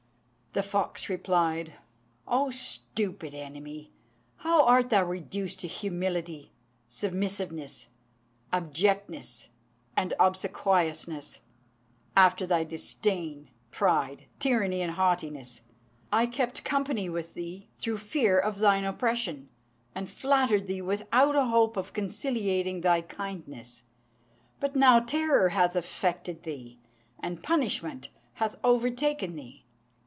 The fox replied, "O stupid enemy, how art thou reduced to humility, submissiveness, abjectness, and obsequiousness, after thy disdain, pride, tyranny, and haughtiness! I kept company with thee through fear of thine oppression, and flattered thee without a hope of conciliating thy kindness; but now terror hath affected thee, and punishment hath overtaken thee."